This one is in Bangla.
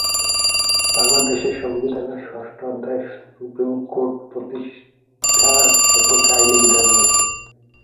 বাংলাদেশের সংবিধানের ষষ্ঠ অধ্যায়ে সুপ্রীম কোর্ট প্রতিষ্ঠা সম্পর্কে আইনি বিধান রয়েছে।